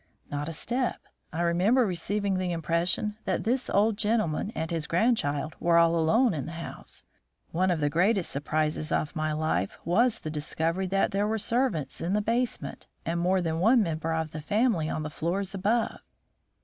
"Not a step. I remember receiving the impression that this old gentleman and his grandchild were all alone in the house. One of the greatest surprises of my life was the discovery that there were servants in the basement and more than one member of the family on the floors above."